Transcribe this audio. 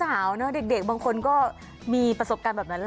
หนาวเนอะเด็กบางคนก็มีประสบการณ์แบบนั้นแหละ